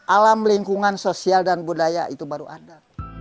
alam lingkungan sosial dan budaya itu baru ada